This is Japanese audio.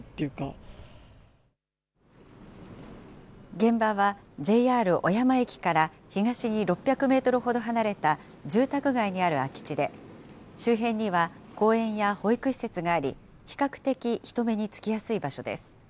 現場はＪＲ小山駅から東に６００メートルほど離れた、住宅街にある空き地で、周辺には公園や保育施設があり、比較的、人目につきやすい場所です。